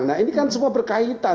nah ini kan semua berkaitan